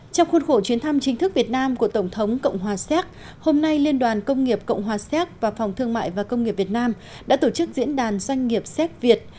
trong khuôn khổ chuyến thăm chính thức việt nam của tổng thống cộng hòa séc hôm nay liên đoàn công nghiệp cộng hòa xéc và phòng thương mại và công nghiệp việt nam đã tổ chức diễn đàn doanh nghiệp séc việt